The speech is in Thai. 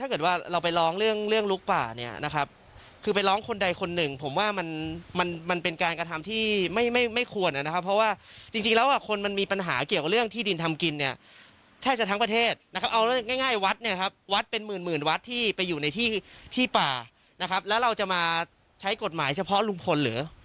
มีเรื่องอีกเหลืออย่างไรก็ไม่รู้